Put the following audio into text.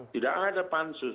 tidak ada pansus